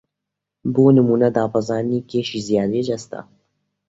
بۆ نموونە دابەزاندنی کێشی زیادەی جەستە